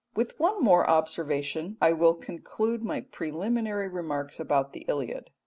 With one more observation I will conclude my preliminary remarks about the Iliad.